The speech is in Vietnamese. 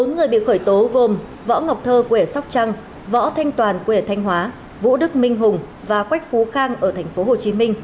bốn người bị khởi tố gồm võ ngọc thơ quể sóc trăng võ thanh toàn quể thanh hóa vũ đức minh hùng và quách phú khang ở tp hcm